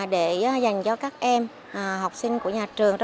để dành cho các em học sinh của nhà trường